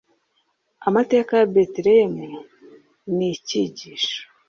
Amateka ya Betelehemu ni icyigisho.